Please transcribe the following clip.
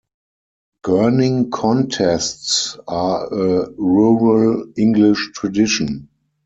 Gurning contests are a rural English tradition.